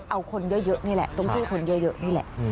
เอาคนเยอะนี่แหละต้องช่วยคนเยอะนี่แหละ